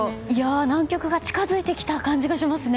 南極が近づいてきた感じがしますね。